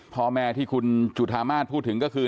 พ่อแม่ที่คุณจุธามาศพูดถึงก็คือ